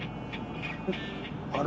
あれ？